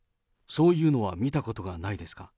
そういうのは見たことがないですか？